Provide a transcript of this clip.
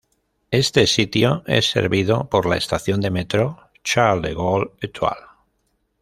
Este sitio es servido por la estación de metro Charles de Gaulle-Étoile.